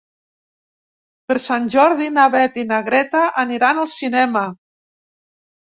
Per Sant Jordi na Beth i na Greta aniran al cinema.